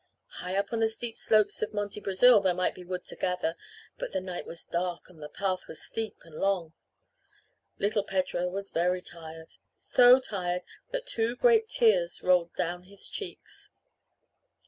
High up on the steep slopes of Monte Brasil there might be wood to gather, but the night was dark and the path was steep and long. Little Pedro was very tired, so tired that two great tears rolled down his cheeks.